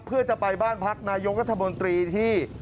เพื่อจะไปบ้านพักนายกรัฐมนตรีที่